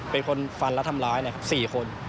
เป็นคนฟันและทำร้าย๔คน